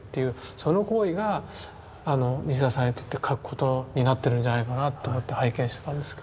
その行為が西田さんにとって描くことになってるんじゃないかなと思って拝見してたんですけど。